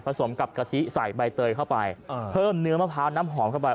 สมกับกะทิใส่ใบเตยเข้าไปเพิ่มเนื้อมะพร้าวน้ำหอมเข้าไป